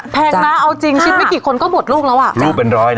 แพงนะเอาจริงคิดไม่กี่คนก็หมดลูกแล้วอ่ะลูกเป็นร้อยนะ